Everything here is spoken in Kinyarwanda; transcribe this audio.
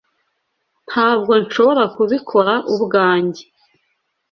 Ntabwo nshobora kubikora ubwanjye.